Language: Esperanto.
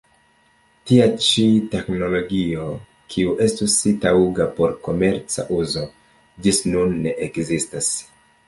Tia ĉi teĥnologio, kiu estus taŭga por komerca uzo, ĝis nun ne ekzistas.